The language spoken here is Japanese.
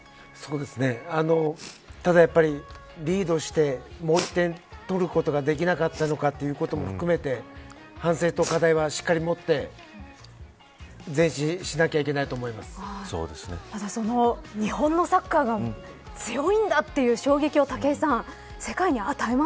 ただ、やっぱりリードしてもう１点取ることができなかったのかということも含めて反省と課題はしっかり持って前進しなきゃいけないとただ、その日本のサッカーが強いんだという衝撃を武井さん